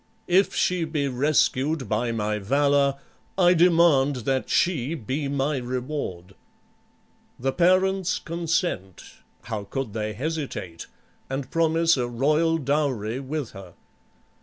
If she be rescued by my valor, I demand that she be my reward." The parents consent (how could they hesitate?) and promise a royal dowry with her.